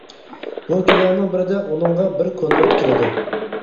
بۇ كۈنلەرنىڭ بىرىدە ئۇنىڭغا بىر كونۋېرت كېلىدۇ.